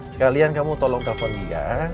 sekalian kamu tolong telfon dia